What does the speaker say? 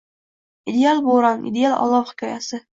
Ideal bo'ron, ideal olov hikoyasi